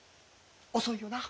遅いよな。